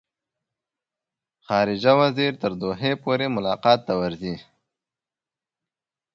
خارجه وزیر یې تر دوحې پورې ملاقات ته ورځي.